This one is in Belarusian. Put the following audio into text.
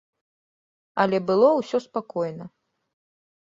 Але было ўсё спакойна.